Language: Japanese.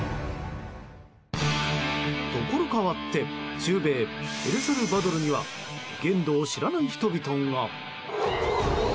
ところ変わって中米エルサルバドルには限度を知らない人々が。